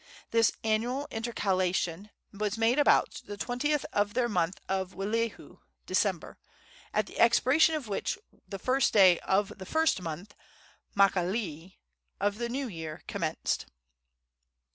This annual intercalation was made about the 20th of their month of Welehu (December), at the expiration of which the first day of the first month (Makalii) of the new year commenced.